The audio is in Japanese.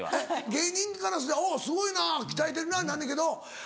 芸人からすりゃ「おぉすごいな鍛えてるな」になんねんけど。